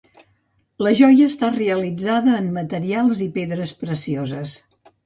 La joia està realitzada en materials i pedres precioses.